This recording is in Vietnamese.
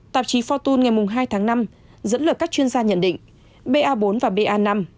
tạp chí fortune ngày hai tháng năm dẫn lời các chuyên gia nhận định ba bốn và ba năm